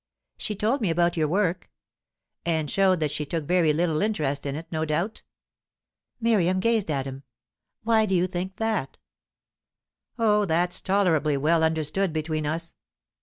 "She told me about your work." "And showed that she took very little interest in it, no doubt?" Miriam gazed at him. "Why do you think that?" "Oh, that's tolerably well understood between us."